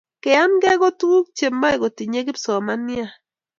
keyankeei ko tukuk chemeikotinye kipsomanian